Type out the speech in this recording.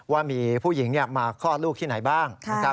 ว่ามีผู้หญิงมาคลอดลูกที่ไหนบ้างนะครับ